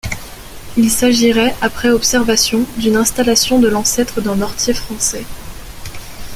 Il s'agirait, après observation, d'une installation de l'ancêtre d'un mortier français.